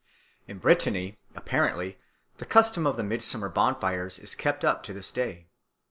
In Brittany, apparently, the custom of the midsummer bonfires is kept up to this day.